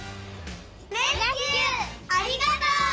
レスキューありがとう！